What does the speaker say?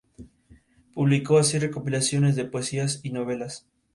Su última destinación en la Armada fue como ayudante mayor del territorio marítimo.